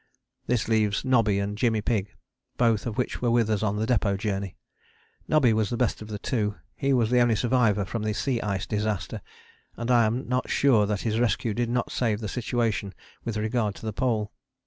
This leaves Nobby and Jimmy Pigg, both of which were with us on the Depôt Journey. Nobby was the best of the two; he was the only survivor from the sea ice disaster, and I am not sure that his rescue did not save the situation with regard to the Pole.